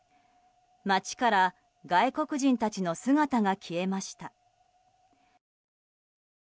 街から外国人たちの姿が消えました。